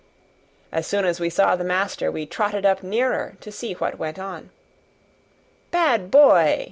As soon as we saw the master we trotted up nearer to see what went on. "Bad boy!"